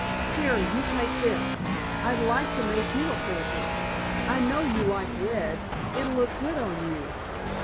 "Here, you take this. I'd like to make you a present. I know you like red. It'll look good on you."